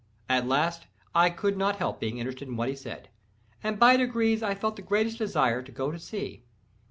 At last I could not help being interested in what he said, and by degrees I felt the greatest desire to go to sea.